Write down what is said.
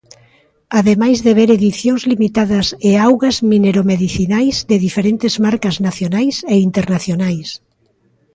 Ademais de ver edicións limitadas e augas mineromedicinais de diferentes marcas nacionais e internacionais.